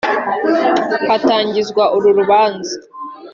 Hatangizwa uru rubanza